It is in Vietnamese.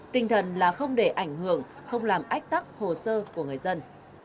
tinh thần là không để ảnh hưởng không làm ách tắc hồ sơ của người dân